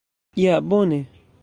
Ja, bone!